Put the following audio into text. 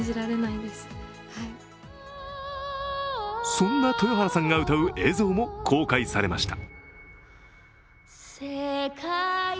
そんな豊原さんが歌う映像も公開されました。